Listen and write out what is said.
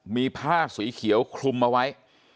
มีผ้าสีเขียวคลุมเอาไว้